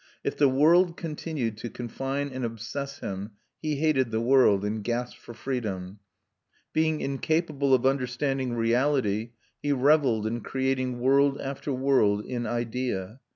If the world continued to confine and obsess him, he hated the world, and gasped for freedom. Being incapable of understanding reality, he revelled in creating world after world in idea.